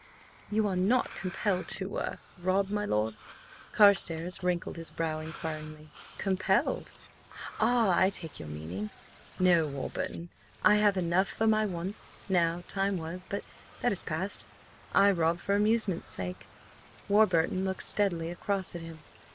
"You are not–compelled to–er–rob, my lord?" Carstares wrinkled his brow inquiringly. "Compelled? Ah–I take your meaning. No, Warburton, I have enough for my wants–now; time was–but that is past. I rob for amusement's sake." Warburton looked steadily across at him.